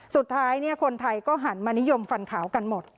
สุดท้ายเนี่ยคนไทยก็หันมณียมฟันขาวกันหมด